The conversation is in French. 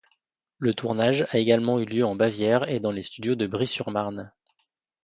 Le tournage a également eu lieu en Bavière et dans les studios de Bry-sur-Marne.